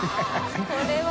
これは。